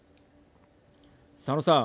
佐野さん。